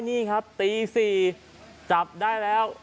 นี่ครับตี๔จับได้แล้ว